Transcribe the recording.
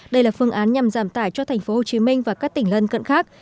đây là phương án nhằm giảm tải cho thành phố hồ chí minh và các tỉnh lân cận khác